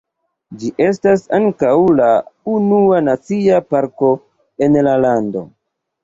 Ĝi estas ankaŭ la unua nacia parko en la lando.